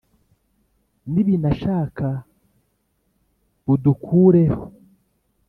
Nibinashaka budukereho.